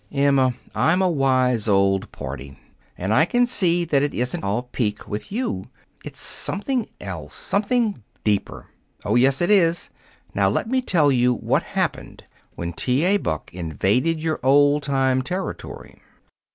"Emma, I'm a wise old party, and I can see that it isn't all pique with you. It's something else something deeper. Oh, yes, it is! Now let me tell you what happened when T. A. Buck invaded your old time territory.